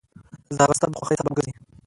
ځغاسته د خوښۍ سبب ګرځي